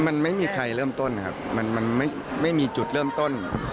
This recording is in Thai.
มันไม่มีใครเริ่มต้นครับมันไม่มีจุดเริ่มต้น